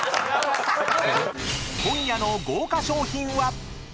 ［今夜の豪華賞品は⁉］